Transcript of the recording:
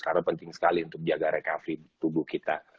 karena penting sekali untuk jaga recovery tubuh kita